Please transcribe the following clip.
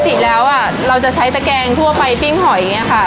ปกติแล้วเราจะใช้ตะแกงทั่วไปพิ่งหอยเป็นไงคะ